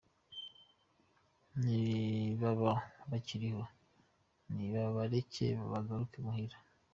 Ni baba bakiriho, ni babareke bagaruke muhira.